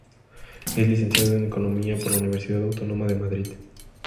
Es licenciado en economía por la Universidad Autónoma de Madrid.